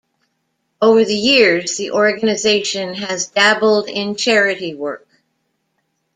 Over the years the organisation has dabbled in charity work.